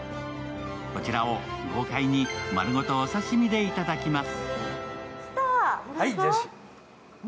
こちらを豪快に、丸ごとお刺身で頂きます。